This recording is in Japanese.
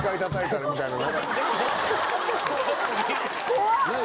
怖っ！